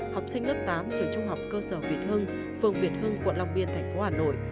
học sinh lớp tám trường trung học cơ sở việt hưng phường việt hưng quận long biên thành phố hà nội